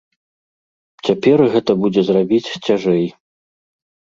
Цяпер гэта будзе зрабіць цяжэй.